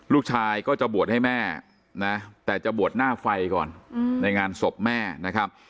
ลูกชายก็จะบวชให้แม่นะแต่จะบวชหน้าไฟก่อนในงานศพแม่นะครับ